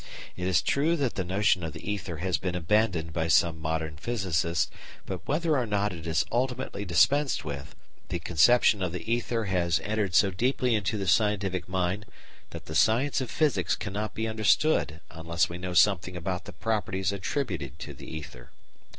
It is true that the notion of the ether has been abandoned by some modern physicists, but, whether or not it is ultimately dispensed with, the conception of the ether has entered so deeply into the scientific mind that the science of physics cannot be understood unless we know something about the properties attributed to the ether.